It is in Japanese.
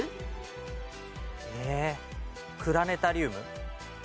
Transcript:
えーっクラネタリウム。